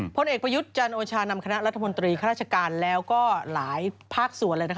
พลเอกประยุทธ์จันโอชานำคณะรัฐมนตรีข้าราชการแล้วก็หลายภาคส่วนเลยนะคะ